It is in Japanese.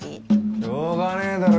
しょうがねえだろ